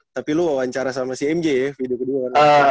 tapi lu wawancara sama si mj ya video kedua